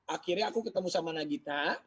akhirnya aku ketemu sama nagita